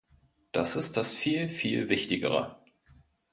Das ist das viel, viel Wichtigere.